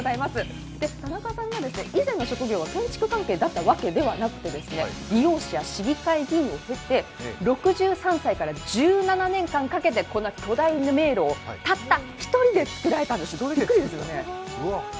田中さんは以前の職業は建築関係だったわけではなくて理容師や市議会議員を経て、６３歳から１７年間かけて、この巨大迷路をたった１人で造られたんです。